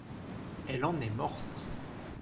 Elle en est morte.